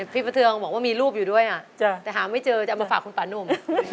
ประเทืองบอกว่ามีรูปอยู่ด้วยแต่หาไม่เจอจะเอามาฝากคุณป่านุ่ม